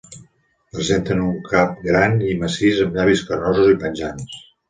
Presenten un cap gran i massís amb llavis carnosos i penjants.